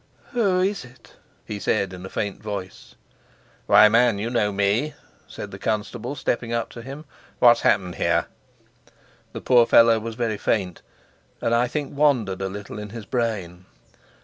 "Who is it?" he said in a faint voice. "Why, man, you know us," said the constable, stepping up to him. "What's happened here?" The poor fellow was very faint, and, I think, wandered a little in his brain.